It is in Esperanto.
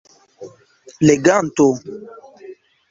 leganto